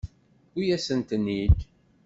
Tewwi-yasent-ten-id.